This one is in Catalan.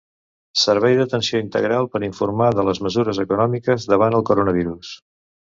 Servei d'atenció integral per informar de les mesures econòmiques davant el coronavirus.